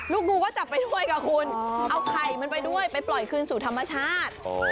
งูก็จับไปด้วยค่ะคุณเอาไข่มันไปด้วยไปปล่อยคืนสู่ธรรมชาติ